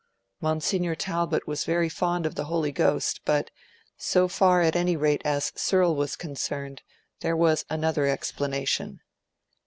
Monsignor Talbot was very fond of the Holy Ghost; but, so far, at any rate as Searle was concerned, there was another explanation.